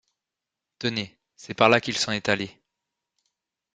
Tenez! c’est par là qu’il s’en est allé.